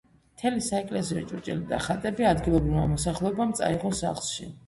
მთელი საეკლესიო ჭურჭელი და ხატები ადგილობრივმა მოსახლეობამ წაიღო სახლში.